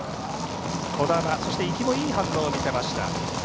兒玉、そして壹岐もいい反応を見せました。